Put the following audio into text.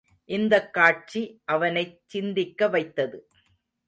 இந்தக் காட்சி அவனைச் சிந்திக்க வைத்தது.